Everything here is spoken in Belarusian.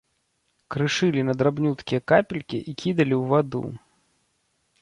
Крышылі на драбнюткія капелькі і кідалі ў ваду.